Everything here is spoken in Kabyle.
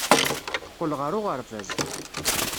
Teqqel ɣer uɣerbaz.